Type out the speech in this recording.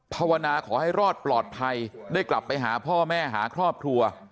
ภาวนาขอให้รอดปลอดภัยได้กลับไปหาพ่อแม่หาครอบครัว